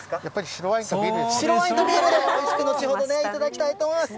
白ワインとビールで、おいしく後ほど頂きたいと思います。